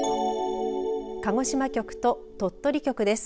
鹿児島局と鳥取局です。